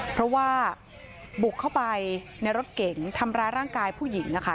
เพราะว่าบุกเข้าไปในรถเก๋งทำร้ายร่างกายผู้หญิงนะคะ